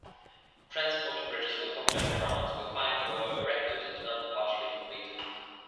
Transporter bridges were popular in France, where five were erected and another partially completed.